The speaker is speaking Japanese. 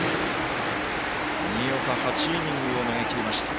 新岡、８イニングを投げきりました。